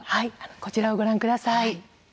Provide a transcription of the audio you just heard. こちらをご覧ください。